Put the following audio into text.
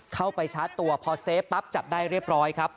เข้าไปชาร์จตัวพอเซฟปั๊บจับได้เรียบร้อยครับ